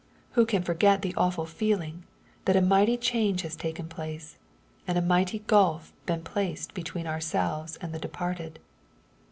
Who can forget the awful feeling, that a mighty change has taken place, and a mighty gulf been placed between ourselves and the departed